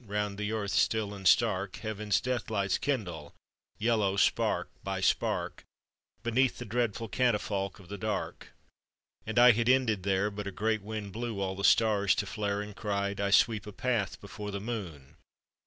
Round the earth still and stark Heaven's death lights kindle, yellow spark by spark, Beneath the dreadful catafalque of the dark. And I had ended there: But a great wind blew all the stars to flare, And cried, "I sweep a path before the moon!